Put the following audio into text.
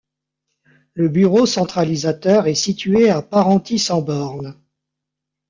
Le bureau centralisateur est situé à Parentis-en-Born.